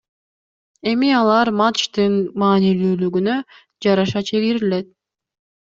Эми алар матчтын маанилүүлүгүнө жараша чегерилет